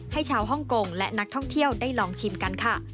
ให้ชาวฮ่องกงและนักท่องเที่ยวได้ลองชิมกันค่ะ